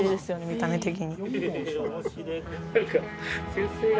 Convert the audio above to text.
見た目的に。